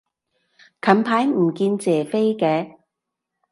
近排唔見謝飛嘅